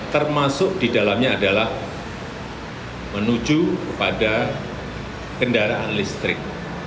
termasuk di dalamnya adalah menuju kepada kendaraan listrik